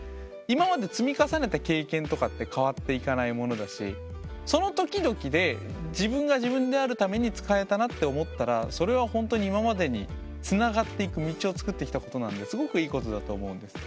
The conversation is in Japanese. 今まで積み重ねた経験とかって変わっていかないものだしその時々で自分が自分であるために使えたなって思ったらそれは本当に今までにつながっていく道をつくってきたことなんですごくいいことだと思うんです。